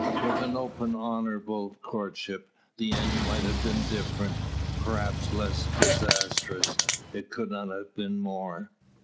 With an open honourable courtship, the end might have been different perhaps less disastrous. It could not have been more.